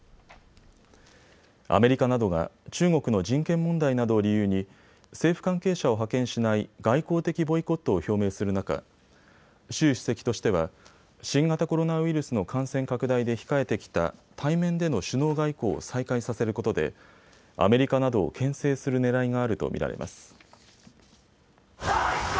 アメリカなどが中国の人権問題などを理由に政府関係者を派遣しない外交的ボイコットを表明する中、習主席としては新型コロナウイルスの感染拡大で控えてきた対面での首脳外交を再開させることでアメリカなどをけん制するねらいがあると見られます。